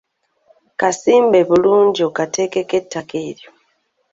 Kasimbe bulungi okateekeko ettaka eryo.